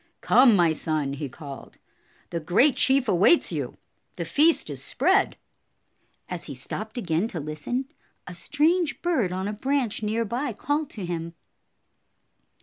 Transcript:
"Come, my son," he called. "The great chief awaits you. The feast is spread." As he stopped again to listen, a strange bird on a branch near by called to him.